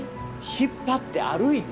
引っ張って歩いて？